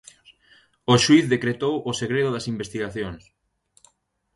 O xuíz decretou o segredo das investigacións.